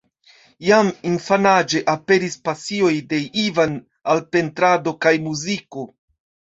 Jam infanaĝe aperis pasioj de Ivan al pentrado kaj muziko.